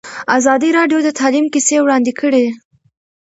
ازادي راډیو د تعلیم کیسې وړاندې کړي.